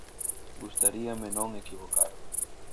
Gustaríame non equivocarme.